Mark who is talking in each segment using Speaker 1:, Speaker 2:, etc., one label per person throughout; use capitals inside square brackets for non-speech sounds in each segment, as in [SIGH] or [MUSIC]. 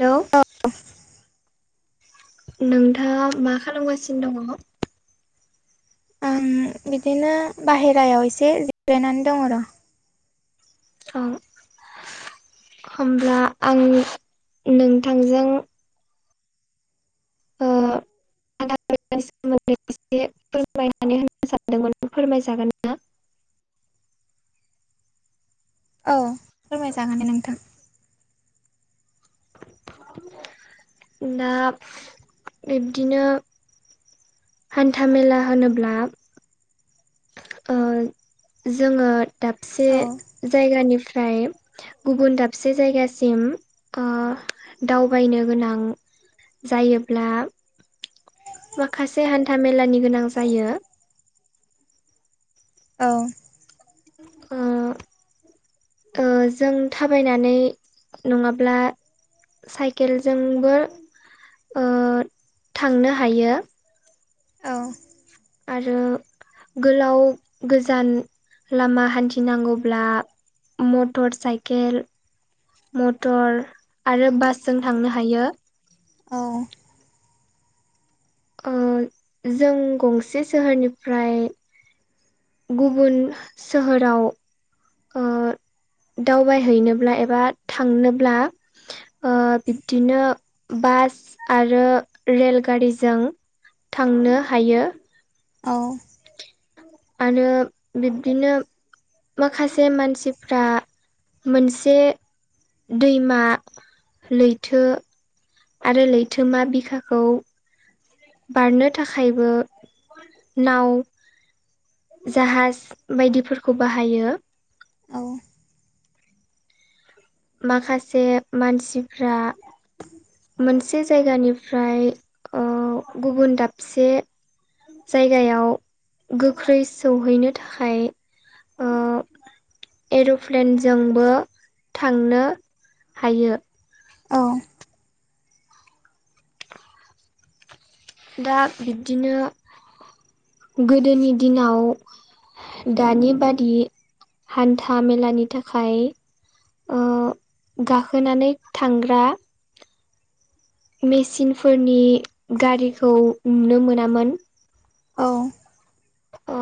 Speaker 1: Hello, नोंथाङा मा खालामगासिनो दङ?
Speaker 2: आं बिदिनो बाहेरायाव एसे जिरायनानै दङ र'
Speaker 1: औ। होमब्ला आं नोंथांजों ओ हान्था मेलानि सोमोन्दै एसे फोरमायनानै होनो सानदोंमोन फोरमायजागोन ना? [INAUDIBLE]
Speaker 2: औ फोरमायजागोन दे नोंथां।
Speaker 1: दा बिब्दिनो हान्थामेला होनोब्ला ओ जोङो दाबसे
Speaker 2: औ
Speaker 1: जायगानिफ्राय गुबुन दाबसे जायगासिम दावबायनो गोनां जायोब्ला माखासे हान्था मेलानि गोनां जायो।
Speaker 2: औ
Speaker 1: ओ जों थाबायनानै नङाब्ला साइकेलजोंबो ओ थांनो हायो।
Speaker 2: औ
Speaker 1: आरो गोलाव गोजान लामा हान्थिनांगौब्ला मटर साइकेल मटर आरो बासजों थांनो हायो।
Speaker 2: औ
Speaker 1: जों गंसे सोहोरनिफ्राय गुबुन सोहोराव ओ दावबायहैनोब्ला एबा थांनोब्ला ओ बिब्दिनो बा स आरो रेलगारिजों थांनो हायो।
Speaker 2: औ।
Speaker 1: आरो बिब्दिनो माखासे मानसिफ्रा मोनसे दैमा, लैथो, आरो लैथोमा बिखाखौ बारनो थाखायबो नाव जाहाज बायदिफोरखौ बाहायो।
Speaker 2: औ
Speaker 1: माखासे मानसिफ्रा मोनसे जायगानिफ्राय ओ गुबुन दाबसे जायगायाव गोख्रै सौहैनो थाखाय ओ एर'प्लेनजोंबो थांनो हायो।
Speaker 2: औ।
Speaker 1: दा बिब्दिनो गोदोनि दिनाव दानि बादि हान्था मेलानि थाखाय ओ गाखोनानै थांग्रा मेचिनफोरनि गारिखौ नुनो मोनामोन।
Speaker 2: औ
Speaker 1: ओ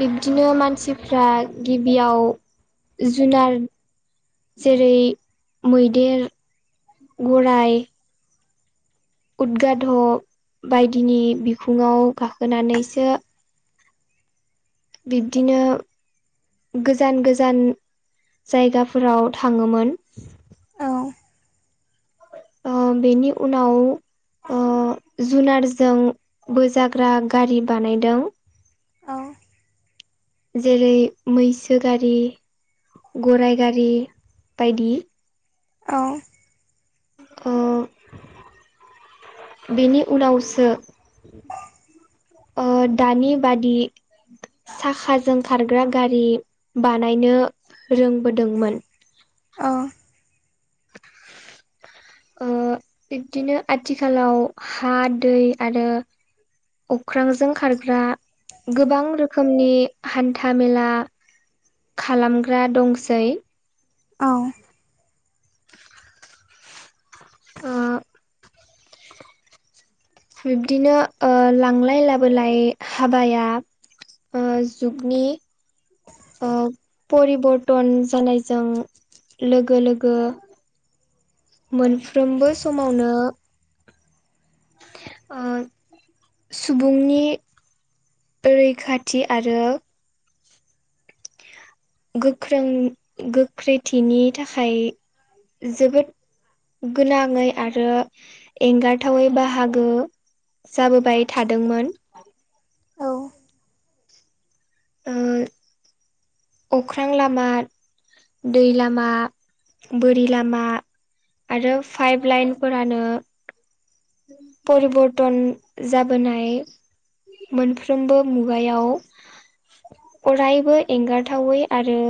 Speaker 1: बिब्दिनो मानसिफ्रा गिबियाव जुनार जेरै मैदेर गराय उदगाद' बायदिनि बिखुङाव गाखोनानैसो बिब्दिनो गोजान गोजान जायगाफोराव थाङोमोन
Speaker 2: औ।
Speaker 1: ओ बेनि उनाव ओ जुनारजों बोजाग्रा गारि बानायदों।
Speaker 2: औ।
Speaker 1: जेरै मैसो गारि, गराय गारि बायदि
Speaker 2: औ।
Speaker 1: ओ बेनि उनावसो ओ दानि बादि साखाजों खारग्रा गारि बानायनो रोंबोदोंमोन।
Speaker 2: औ
Speaker 1: [INAUDIBLE] ओ बिबदिनो आथिखालाव हा दै आरो अख्रांजों खारग्रा गोबां रोखोमनि हान्था मेला खालामग्रा दंसै
Speaker 2: औ।
Speaker 1: ओ बिब्दिनो ओ लांलाय लाबोलाय हाबाया ओ जुगनि ओ परिबर्तन जानायजों लोगो- लोगो मोनफ्रोमबो समावनो ओ सुबुंनि रैखाथि आरो गोख्रों- गोख्रैथिनि थाखाय जोबोद गोनाङै आरो एंगारथावै बाहागो। जाबोबाय थादोंमोन। ओ, अख्रां लामा दै लामा, बोरि लामा आरो पाइप लाइनफोरानो परिबर्तन जाबोनाय। मोनफ्रोमबो मुगायाव अरायबो एंगारथावै आरो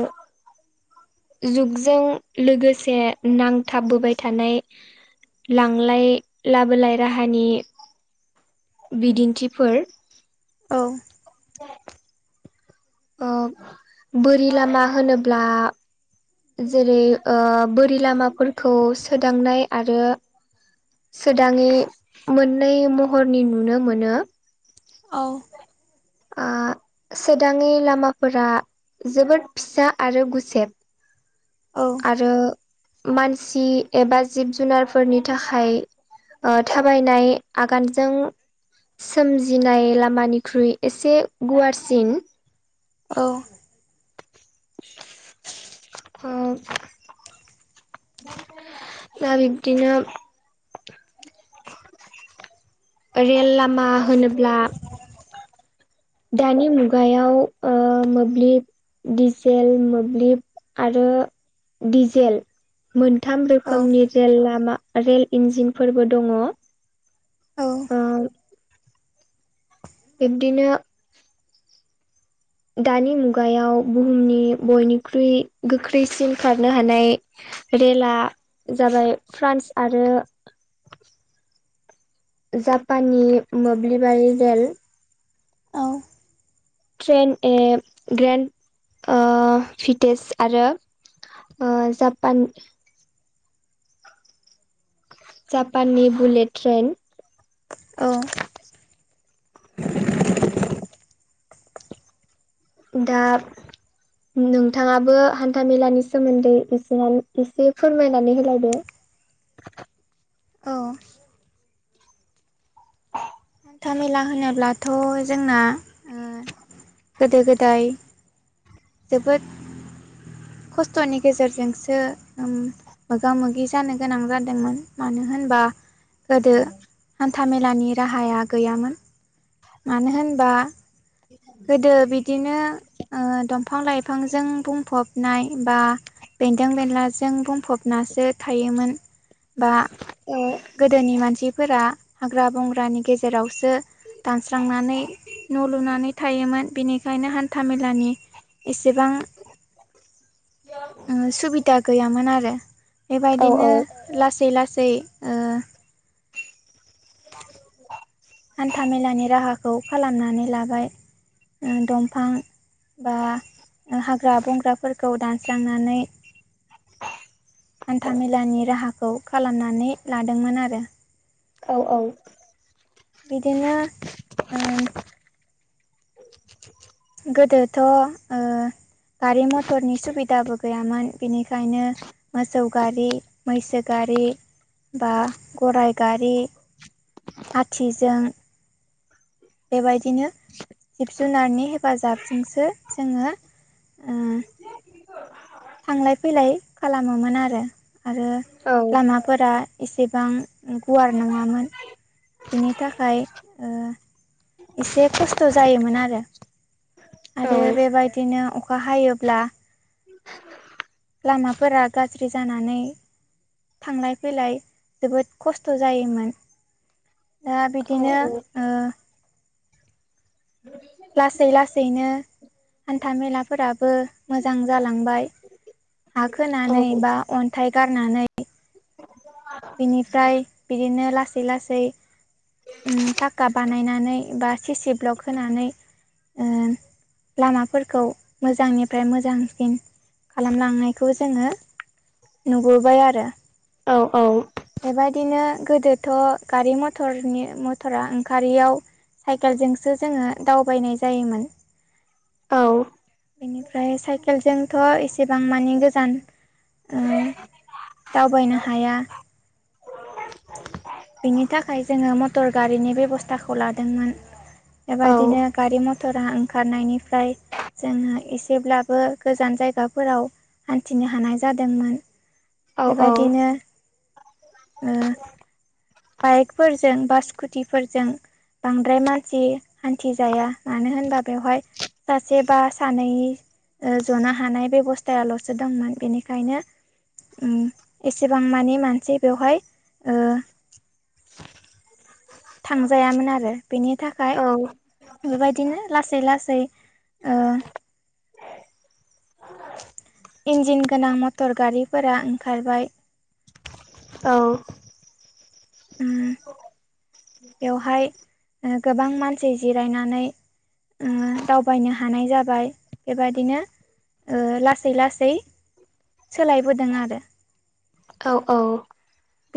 Speaker 1: जुगजों लोगोसे, नांथाबबोबाय थानाय लांलाय- लाबोलाय राहानि बिदिन्थिफोर
Speaker 2: औ।
Speaker 1: ओ, बोरि लामा होनोब्ला जेरै- ओ, बोरि लामाफोरखौ सोदांनाय आरो सोदाङै मोननै महरनि नुनो मोनो।
Speaker 2: औ।
Speaker 1: ओ सोदाङै लामाफोरा जोबोद फिसा आरो गुसेब। आरो मानसि एबा जिब- जुनारफोरनि थाखाय ओ थाबायनाय आगानजों सोमजिनाय लामानिख्रुइ एसे गुवारसिन।
Speaker 2: औ।
Speaker 1: ओ दा बिब्दिनो रेल लामा होनोब्ला दानि मुगायाव ओ मोब्लिब दिजेल मोब्लिब आरो दिजेल मोन थाम
Speaker 2: औ
Speaker 1: रोखोमनि रेलामा, रेल इन्जिनफोरबो दङ। ओ। बिबदिनो दानि मुगायाव बुहुमनि बयनिख्रुइ गोख्रैसिन खारनो हानाय। रेेल जाबाय, फ्रान्स आरो जापाननि मोब्लिबारि रेल।
Speaker 2: औ।
Speaker 1: ट्रेन ए ग्रेन्ड ओ फिटेज आरो ओ जापान जापाननि बुलेट ट्रेन। दा नोंथाङाबो हान्थामेलानि सोमोन्दै एसे -एसे फोरमायनानै होलायदो। [UNINTELLIGIBLE]
Speaker 2: औ। हान्था -मेला होनोब्लाथ', जोंना गोदो- गोदाय जोबोद
Speaker 1: [INAUDIBLE]
Speaker 2: खस्थ'नि गेजेरजोंसो मोगा मोगि जानो गोनां जादोंमोन मानो होनबा गोदो हान्थामेलानि राहाया गैयामोन। मानो होनबा गोदो बिदिनो दं। फां लाइफांजों बुंफब नाय बा बेन्दों बेनलाजों बुंफबनासो थायोमोन। बा
Speaker 1: औ
Speaker 2: गोदोनि मानसिफोरा हाग्रा बंग्रानि गेजेरावसो दानस्रांनानै न' लुनानै थायोमोन बेनिखायनो हान्थामेलानि एसेबां
Speaker 1: [INAUDIBLE]
Speaker 2: सुबिदा गैयामोन आरो
Speaker 1: औ
Speaker 2: बेबायदिनो लासै लासै सै ओ
Speaker 1: [INAUDIBLE]
Speaker 2: खौ खालामनानै लाबाय ओ दंफां बा हाग्रा बंग्राफोरखौ दानस्रांनानै खौ खालामनानै लादोंमोन आरो।
Speaker 1: औ औ
Speaker 2: बिदिनो ओ
Speaker 1: [INAUDIBLE]
Speaker 2: गोदोथ' ओ गारि मथरनि सुबिदाबो गैयामोन बिनिखायनो मोसौ गारि मैसो गारि बा गराइ गारि आथिजों बेबायदिनो जिब जुनारनि हेफाजाबजोंसो जोङो थांलाय फैलाय खालामोमोन आरो आरो
Speaker 1: औ
Speaker 2: लामाफोरा एसेबां गुवार नङामोन बिनि थाखाय ओ एसे खस्थ' जायोमोन आरो‌
Speaker 1: औ
Speaker 2: आरो बेबायदिनो अखा हायोब्ला लामाफोरा गाज्रि जानानै थांलाय फैलाय जोबोद खस्थ' जायोमोन दा
Speaker 1: औ
Speaker 2: बिदिनो ओ। लासै लासैनो हान्था मेलाफोराबो मोजां जालांबाय। हा
Speaker 1: औ
Speaker 2: खोनानै बा अन्थाइ गारनानै बिनिफ्राय बिदिनो लासै लासै उम पाक्का बानायनानै बा सिसि ब्लग होनानै ओ
Speaker 1: [INAUDIBLE]
Speaker 2: लामाफोरखौ मोजांनिफ्राय मोजांसिन खालामलांनायखौ जोङो नुबोबाय आरो।
Speaker 1: औ औ।
Speaker 2: बेबायदिनो गोदोथ' गारि मथरनि मथरा ओंखारारियाव साइकेलजोंसो जोङो दावबायनाय जायोमोन
Speaker 1: [INAUDIBLE]
Speaker 2: बेनिफ्राय साइकेलजोंथ' एसेबां मानि गोजान ओ दावबायनो हाया। बिनि थाखाय जोङो मटर गारिनि बेब'स्थाखौ लादोंमोन
Speaker 1: औ
Speaker 2: बेबायदिनो गारि मथरा ओंखारनायनिफ्राय जोङो एसेब्लाबो गोजान जायगाफोराव हान्थिनो हानाय जादोंमोन बेबायदिनो ओ। बाइकफोरजों बा स्कुटिफोरजों बांद्राय मानसि हान्थिजाया मानो होनबा बेवहाय सासे बा सानै ओ जनो हानाय बेब'स्थायाल'सो दंमोन बेनिखायनो उम एसेबां मानि मानसि बेवहाय ओ
Speaker 1: [INAUDIBLE]
Speaker 2: थांजायामोन आरो बेनि थाखाय बेबायदिनो लासै लासै ओ
Speaker 1: [INAUDIBLE]
Speaker 2: इन्जिन गोनां मटर गारिफोरा ओंखारबाय
Speaker 1: औ
Speaker 2: उम बेवहाय ओ गोबां मानसि जिरायनानै ओ दावबायनो हानाय जाबाय बेबादिनो ओ लासै लासै सोलायबोदों आरो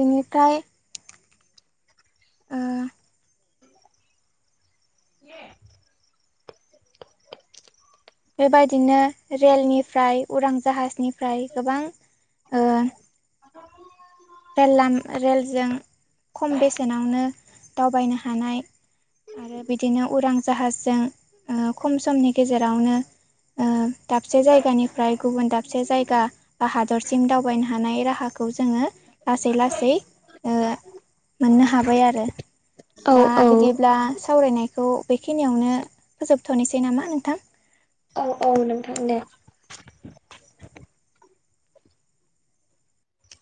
Speaker 2: बेनिफ्राय ओ बेबायदिनो रेलनिफ्राय उरां जाहाजनिफ्राय गोबां
Speaker 1: [INAUDIBLE]
Speaker 2: रेललाम रेलजों खम बेसेनावनो दावबायनो हानाय आरो बिदिनो उरां जाहाजजों ओ खम समनि गेजेरावनो ओ दाबसे जायगानिफ्राय गुबुन दाबसे जायगा बा हादरसिम दावबायनो हानाय राहाखौ खौ जोंङो लासै लासै ओ मोननो हाबाय आरो
Speaker 1: औ
Speaker 2: दा बिदिब्ला सावरायनायखौ बेखिनियावनो फोजोबथ'नोसै नामा नोंथां?
Speaker 1: औ औ नोंथां दे